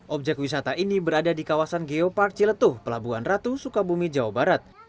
objek wisata ini berada di kawasan geopark ciletuh pelabuhan ratu sukabumi jawa barat